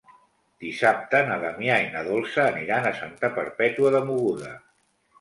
Dissabte na Damià i na Dolça aniran a Santa Perpètua de Mogoda.